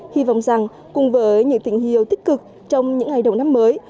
hy vọng rằng cùng với những tình hiệu tích cực trong những ngày đầu năm mới